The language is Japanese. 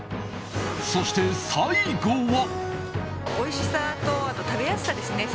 そして最後は。